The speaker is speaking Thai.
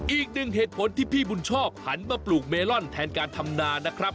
อีกหนึ่งเหตุผลที่พี่บุญชอบหันมาปลูกเมลอนแทนการทำนานะครับ